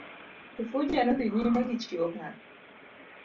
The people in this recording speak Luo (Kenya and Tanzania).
Kifuja nodhi nyime gichiwo paro.